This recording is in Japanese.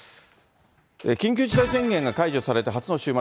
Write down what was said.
緊急事態宣言が解除されて初の週末。